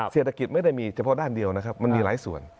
เศรษฐกิจไม่ได้มีเฉพาะด้านเดียวนะครับมันมีหลายส่วน